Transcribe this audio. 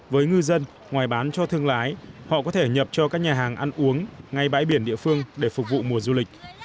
với ngư dân ngoài bán cho thương lái họ có thể nhập cho các nhà hàng ăn uống ngay bãi biển địa phương để phục vụ mùa du lịch